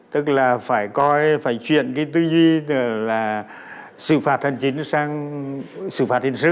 tức là phải coi phải chuyển cái tư duy là sự phạt hành chính sang sự phạt hình sự